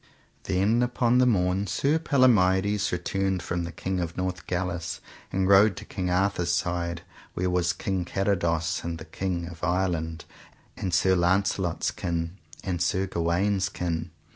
Then upon the morn Sir Palomides returned from the King of Northgalis, and rode to King Arthur's side, where was King Carados, and the King of Ireland, and Sir Launcelot's kin, and Sir Gawaine's kin.